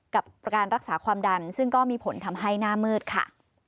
กับประการรักษาความดันซึ่งก็มีผลทำให้หน้ามืดค่ะ